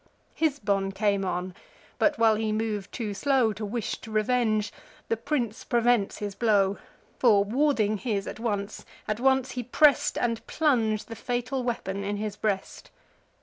Hisbon came on: but, while he mov'd too slow To wish'd revenge, the prince prevents his blow; For, warding his at once, at once he press'd, And plung'd the fatal weapon in his breast.